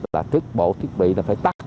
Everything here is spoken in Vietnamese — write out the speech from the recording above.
là thiết bộ thiết bị là phải tắt